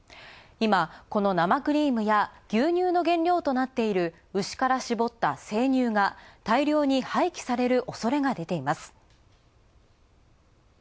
今、この生クリームや牛乳の原料となっている牛から搾った生乳が大量に廃棄される恐れが出ています。